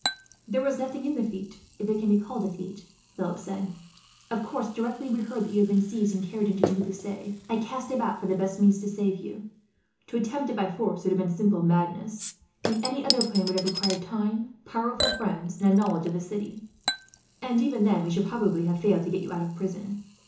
"There was nothing in the feat, if it can be called a feat," Philip said. "Of course, directly we heard that you had been seized and carried into Toulouse, I cast about for the best means to save you. To attempt it by force would have been simple madness; and any other plan would have required time, powerful friends, and a knowledge of the city, and even then we should probably have failed to get you out of prison.